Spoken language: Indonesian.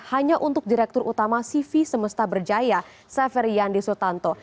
hanya untuk direktur utama cv semesta berjaya saferi yandi sutanto